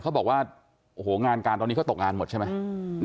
เขาบอกว่าโอ้โหงานการตอนนี้เขาตกงานหมดใช่ไหม